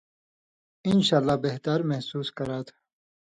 انشاءاللہ بہتہۡر محسوس کراتھہ۔